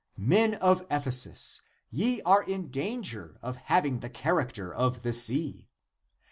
Men of Ephesus, ye are in danger of hav ing the character of the sea.